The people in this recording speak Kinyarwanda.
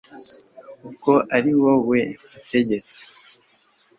ubwo ari wowe mutegetsi